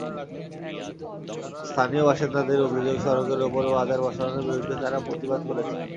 স্থানীয় বাসিন্দাদের অভিযোগ, সড়কের ওপর বাজার বসানোর বিরুদ্ধে তাঁরা প্রতিবাদ করেছেন।